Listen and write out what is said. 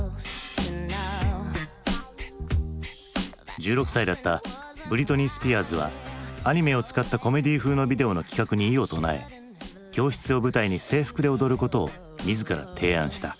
１６歳だったブリトニー・スピアーズはアニメを使ったコメディー風のビデオの企画に異を唱え教室を舞台に制服で踊ることを自ら提案した。